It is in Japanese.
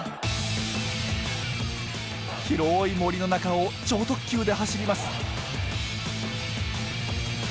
広い森の中を超特急で走ります。